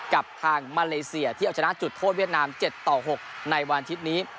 กับทางมาเลเซียที่เอาชนะจุดโทษเวียดนาม๗ต่อ๖ในวันอาทิตย์นี้